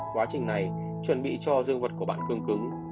quá trình này chuẩn bị cho dương vật của bạn cương cứng